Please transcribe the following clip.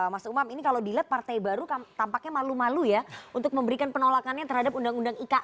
mas umam ini kalau dilihat partai baru tampaknya malu malu ya untuk memberikan penolakannya terhadap undang undang ikn